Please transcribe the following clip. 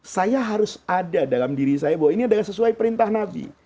saya harus ada dalam diri saya bahwa ini adalah sesuai perintah nabi